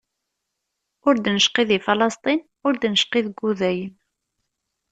Ur d-necqi di Falasṭin, ur d-necqi deg Wudayen.